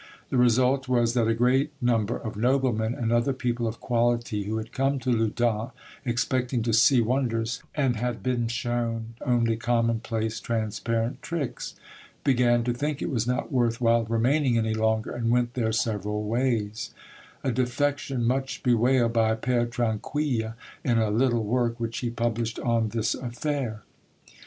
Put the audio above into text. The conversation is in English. The result was that a great number of noblemen and other people of quality who had come to Loudun expecting to see wonders and had been shown only commonplace transparent tricks, began to think it was not worth while remaining any longer, and went their several ways—a defection much bewailed by Pere Tranquille in a little work which he published on this affair.